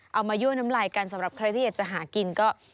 มายั่วน้ำลายกันสำหรับใครที่อยากจะหากินก็